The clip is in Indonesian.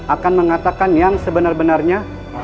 akan mengatakan yang sebenar benarnya